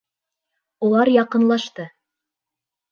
Улар яҡынлашты.